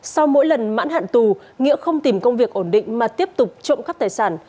sau mỗi lần mãn hạn tù nghĩa không tìm công việc ổn định mà tiếp tục trộm cắp tài sản